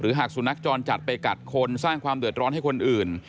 หากสุนัขจรจัดไปกัดคนสร้างความเดือดร้อนให้คนอื่น